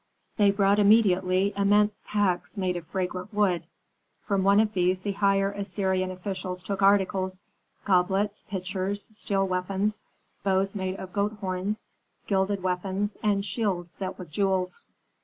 They brought immediately immense packs made of fragrant wood; from one of these the higher Assyrian officials took articles, goblets, pitchers, steel weapons, bows made of goat horns, gilded weapons, and shields set with jewels.